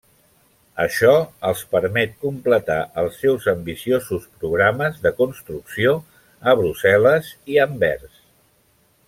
Això els permet completar els seus ambiciosos programes de construcció a Brussel·les i Anvers.